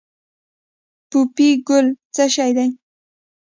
پوپی ګل څه شی دی؟